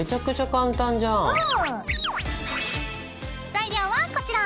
材料はこちら。